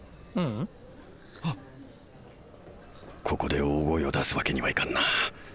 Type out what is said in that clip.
ここで大声を出すわけにはいかんな。